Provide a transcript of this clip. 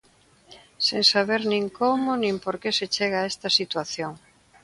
Sen saber nin como nin por que se chega a esta situación.